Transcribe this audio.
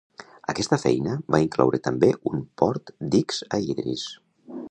Aquesta feina va incloure també un port d'X a Idris.